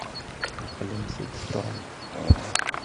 Ɛqlemt-d Tom.